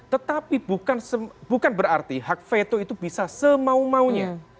tetapi bukan berarti hak veto itu bisa semau maunya